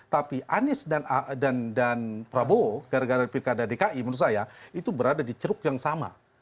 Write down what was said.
tapi anies dan prabowo gara gara pilkada dki menurut saya itu berada di ceruk yang sama